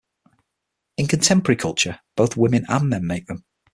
In contemporary culture, both women and men make them.